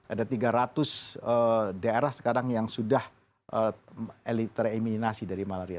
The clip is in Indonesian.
ada tiga ratus daerah sekarang yang sudah tereminasi dari malaria